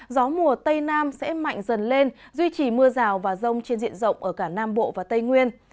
gió mùa tây nam sẽ mạnh dần lên duy trì mưa rào và rông trên diện rộng ở cả nam bộ và tây nguyên